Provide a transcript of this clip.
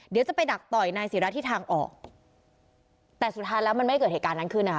เดี๋ยวจะไปดักต่อยนายศิราที่ทางออกแต่สุดท้ายแล้วมันไม่เกิดเหตุการณ์นั้นขึ้นนะคะ